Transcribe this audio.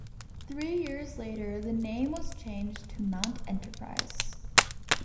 Three years later the name was changed to Mount Enterprise.